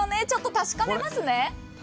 ちょっと確かめますね。